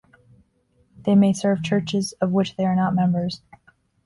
They may serve churches of which they are not members.